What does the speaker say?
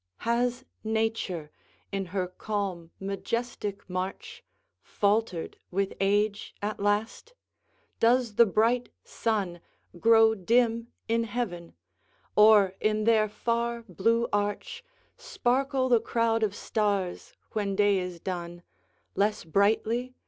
V. Has Nature, in her calm, majestic march, Faltered with age at last? does the bright sun Grow dim in heaven? or, in their far blue arch, Sparkle the crowd of stars, when day is done, Less brightly?